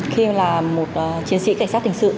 khi là một chiến sĩ cảnh sát hình sự